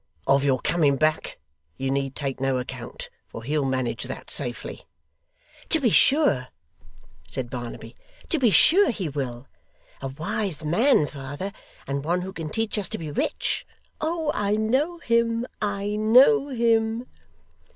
Of your coming back you need take no account, for he'll manage that, safely.' 'To be sure!' said Barnaby. 'To be sure he will! A wise man, father, and one who can teach us to be rich. Oh! I know him, I know him.